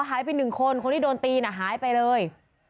อ๋อหายไป๑คนคนที่โดนตีนอ่ะหายไปเลย